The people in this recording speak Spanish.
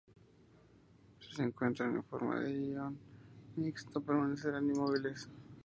Si se encuentran en forma de ion mixto permanecerán inmóviles.